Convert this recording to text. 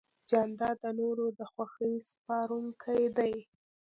جانداد د نورو د خوښۍ سپارونکی دی.